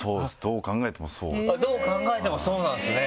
どう考えてもそうですね。